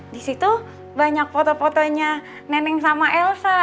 di situ banyak foto fotonya neneng sama elsa